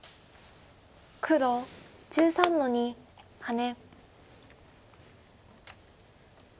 黒１３の二ハネ。